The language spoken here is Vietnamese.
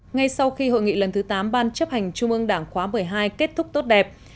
ngay sau khi hội nghị lần thứ tám ban chấp hành trung ương đảng khóa một mươi hai kết thúc tốt đẹp